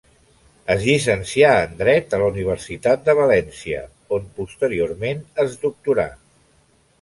Es llicencià en dret a la universitat de València, on posteriorment es doctorà.